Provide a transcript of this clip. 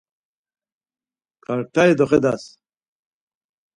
Ǩartai doxedas!